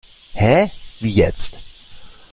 Hä, wie jetzt?